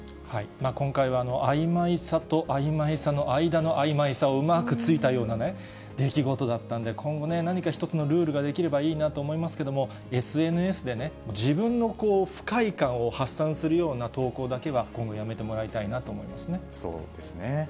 今回はあいまいさとあいまいさの間のあいまいさをうまくついたようなね、出来事だったんで、今後、何か一つのルールができればいいなと思いますけども、ＳＮＳでね、自分の不快感を発散するような投稿だけは今後やめてもらいたいなそうですね。